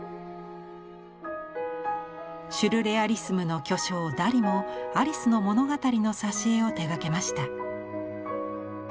シュルレアリスムの巨匠ダリもアリスの物語の挿絵を手がけました。